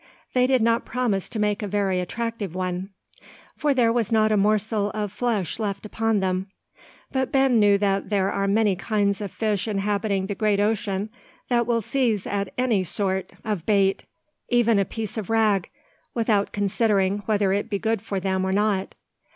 They did not promise to make a very attractive one; for there was not a morsel of flesh left upon them; but Ben knew that there are many kinds of fish inhabiting the great ocean that will seize at any sort of bait, even a piece of rag, without considering whether it be good for them or not.